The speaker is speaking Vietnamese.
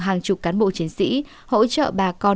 hàng chục cán bộ chiến sĩ hỗ trợ bà con